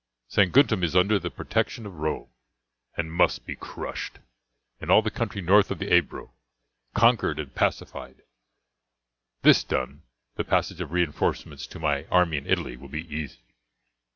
Saguntum is under the protection of Rome, and must be crushed, and all the country north of the Ebro conquered and pacified. This done the passage of reinforcements to my army in Italy will be easy.